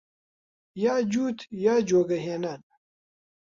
یا جووت یا جۆگە هێنان